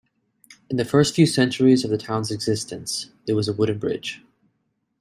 In the first few centuries of the town's existence, it was a wooden bridge.